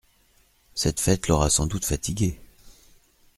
-cette fête l’aura sans doute fatigué !